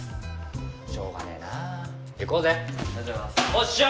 おっしゃ！